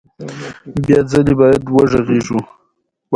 ژورې سرچینې د افغانستان د ولایاتو په کچه توپیر لري.